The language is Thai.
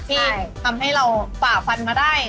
ที่ทำให้เราฝ่าฟันมาได้